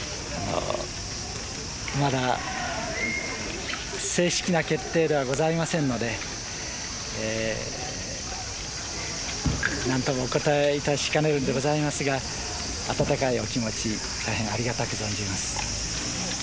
まだ正式な決定ではございませんので、なんともお応えいたしかねるんでございますが、温かいお気持ち、大変ありがたく存じます。